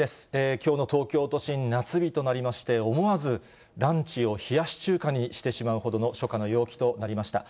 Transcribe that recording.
きょうの東京都心、夏日となりまして、思わずランチを冷やし中華にしてしまうほどの、初夏の陽気となりました。